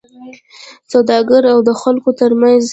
د سوداګرۍاو د خلکو ترمنځ